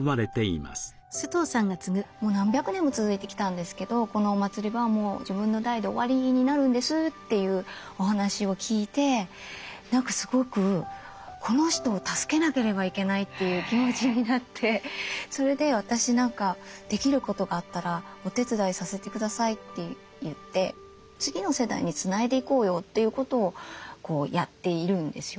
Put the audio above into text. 「もう何百年も続いてきたんですけどこのお祭りはもう自分の代で終わりになるんです」というお話を聞いて何かすごく「この人を助けなければいけない」という気持ちになってそれで「私何かできることがあったらお手伝いさせて下さい」って言って次の世代につないでいこうよということをやっているんですよ。